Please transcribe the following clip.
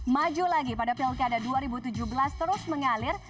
maju lagi pada pilkada dua ribu tujuh belas terus mengalir